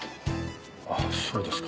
あっそうですか。